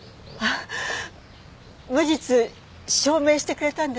無実証明してくれたんですね。